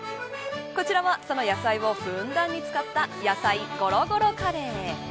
こちらはその野菜をふんだんに使った野菜ごろごろカレー。